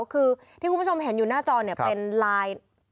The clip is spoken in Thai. คือที่คุณผู้ชมเห็นอยู่หน้าจอเนี่ยเป็นไลน์